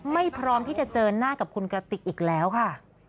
พร้อมที่จะเจอหน้ากับคุณกระติกอีกแล้วค่ะ